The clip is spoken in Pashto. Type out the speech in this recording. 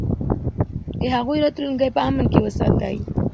د هغوی راتلونکی په امن کې وساتئ.